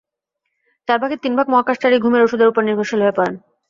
চার ভাগের তিন ভাগ মহাকাশচারীই ঘুমের ওষুধের ওপর নির্ভরশীল হয়ে পড়েন।